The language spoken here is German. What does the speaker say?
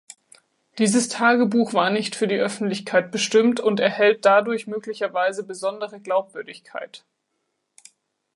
Dieses Tagebuch war nicht für die Öffentlichkeit bestimmt und erhält dadurch möglicherweise besondere Glaubwürdigkeit.